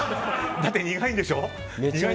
だって苦いんでしょ。